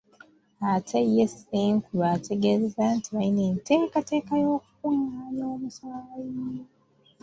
Ate ye Ssenkulu ategeezezza nti balina enteekateeka y’okukungaanya omusaayi.